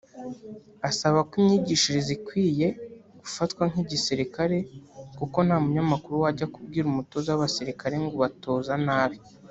Asaba ko imyigishirize ikwiye gufatwa nk’igisirikare kuko nta munyamakuru wajya kubwira umutoza w’abasirikare ngo ‘ubatoza nabi’